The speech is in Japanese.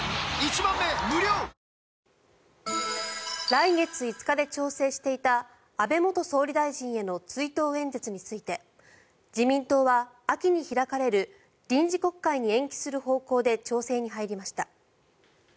来月５日で調整していた安倍元総理大臣への追悼演説について自民党は秋に開かれる臨時国会に延期する方向で調整に入りました。